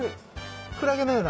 クラゲのような。